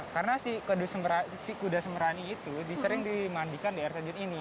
karena si kuda sembrani itu disering dimandikan di air terjun ini